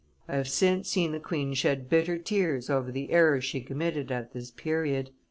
I have since seen the queen shed bitter tears over the errors she committed at this period."